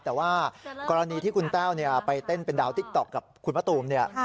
แต่ว่ากรณีที่คุณแต้วไปเต้นเป็นดาวติ๊กต๊อกกับคุณมะตูมเนี่ย